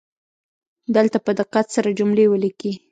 دلته په دقت سره جملې ولیکئ